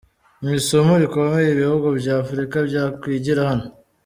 Ni isomo rikomeye ibihugu bya Afurika byakwigira hano.